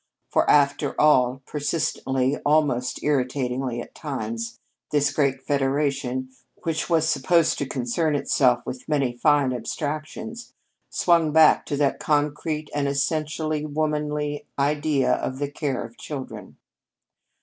For, after all, persistently almost irritatingly, at times this great federation, which was supposed to concern itself with many fine abstractions, swung back to that concrete and essentially womanly idea of the care of children.